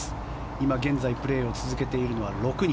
今現在プレーを続けているのは６人。